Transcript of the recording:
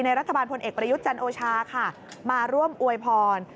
รัฐบาลพลเอกประยุทธ์จันโอชาค่ะมาร่วมอวยพร